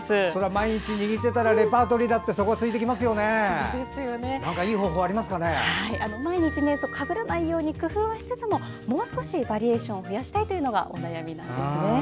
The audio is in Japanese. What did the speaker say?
毎日握っていたらレパートリーだって毎日かぶらないように工夫はしつつももう少しバリエーションを増やしたいというのがお悩みなんですね。